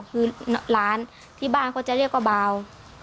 คือร้านที่บ้านเขาจะเรียกว่าเบา